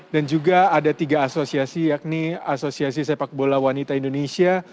dan juga ada tiga asosiasi yakni asosiasi sepak bola wanita indonesia